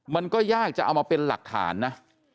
มันก็ยากจะเอามาเป็นหลักฐานนะ